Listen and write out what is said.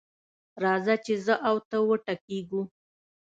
راځه چې زه او ته وټکېږو.